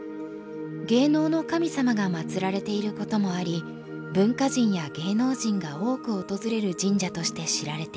芸能の神様がまつられていることもあり文化人や芸能人が多く訪れる神社として知られています。